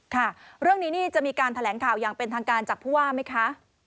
ค่ะเรื่องนี้นี่จะมีการแถลงข่าวอย่างเป็นทางการจากผู้ว่าไหมคะ